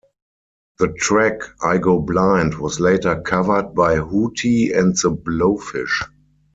The track "I Go Blind" was later covered by Hootie and the Blowfish.